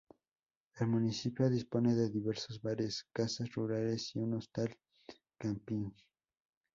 El municipio dispone de diversos bares, casas rurales y un hostal-camping.